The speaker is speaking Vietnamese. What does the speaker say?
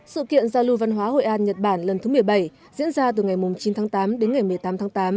sự kiện giao lưu văn hóa hội an nhật bản lần thứ một mươi bảy diễn ra từ ngày chín tháng tám đến ngày một mươi tám tháng tám